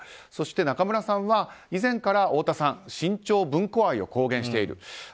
そして、中村さんは以前から太田さん、新潮文庫愛を公言している。